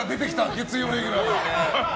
月曜レギュラーが。